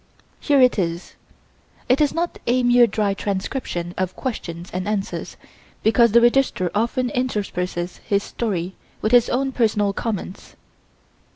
Here it is. It is not a mere dry transcription of questions and answers, because the Registrar often intersperses his story with his own personal comments.